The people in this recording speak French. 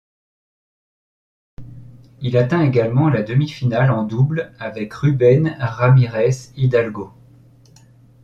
Il atteint également la demi-finale en double avec Rubén Ramírez Hidalgo.